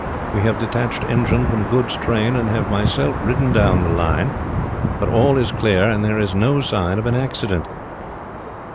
We have detached engine from goods train, and I have myself ridden down the line, but all is clear, and there is no sign of any accident."